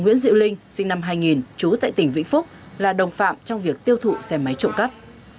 thường sinh sinh năm hai nghìn trú tại tỉnh vĩnh phúc là đồng phạm trong việc tiêu thụ xe máy trộm cắp